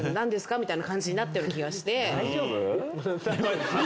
みたいな感じになったような気がして。